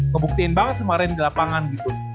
ngebuktiin banget kemarin di lapangan gitu